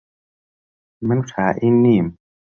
من خائین نیم.